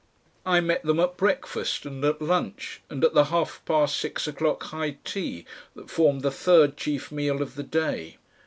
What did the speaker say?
I met them at breakfast and at lunch and at the half past six o'clock high tea that formed the third chief meal of the day.